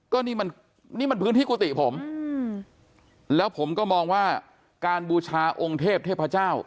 ก็นี่มันนี่มันพื้นที่กุฏิผมแล้วผมก็มองว่าการบูชาองค์เทพเทพเจ้า